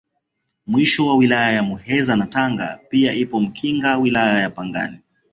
Mwisho ni Wilaya za Muheza na Tanga pia ipo Mkinga na Pangani